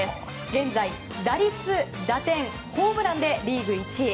現在打率、打点、ホームランでリーグ１位。